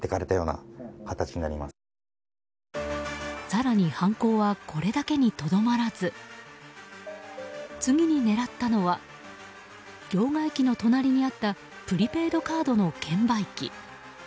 更に、犯行はこれだけにとどまらず次に狙ったのは両替機の隣にあったプリペイドカードの券売機。